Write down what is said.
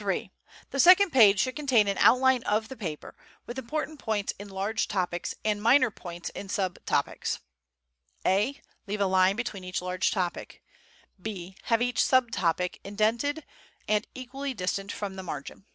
III. The second page should contain an outline of the paper, with important points in large topics and minor points in sub topics. A. Leave a line between each large topic. B. Have each sub topic indented and equally distant from the margin.